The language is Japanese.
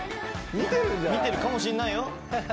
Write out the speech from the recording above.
見てるかもしんないよ